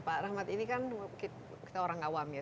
pak rahmat ini kan kita orang awam ya